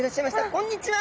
こんにちは。